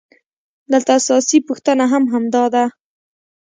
دلته اساسي پوښتنه هم همدا ده